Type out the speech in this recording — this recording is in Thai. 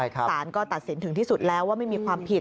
สารก็ตัดสินถึงที่สุดแล้วว่าไม่มีความผิด